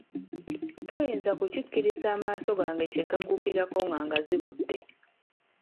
Toyinza kukkiriza maaso gange kye gaggukirako nga ngazibudde.